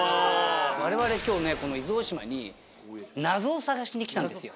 我々今日ねこの伊豆大島に謎を探しに来たんですよ。